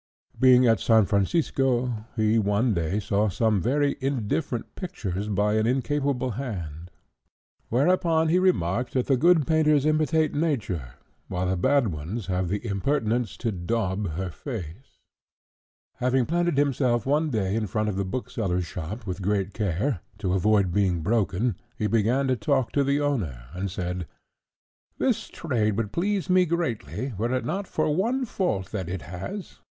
Being at San Francisco, he one day saw some very indifferent pictures, by an incapable hand; whereupon he remarked that the good painters imitate nature, while the bad ones have the impertinence to daub her face. Having planted himself one day in front of a bookseller's shop with great care, to avoid being broken, he began to talk to the owner, and said, "This trade would please me greatly, were it not for one fault that it has."